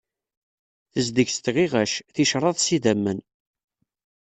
Tezdeg s tɣiɣact, ticṛad s idammen.